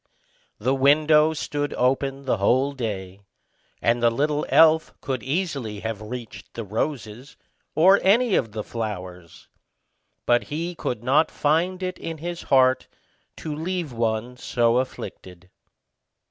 The window stood open the whole day, and the little elf could easily have reached the roses, or any of the flowers; but he could not find it in his heart to leave one so afflicted.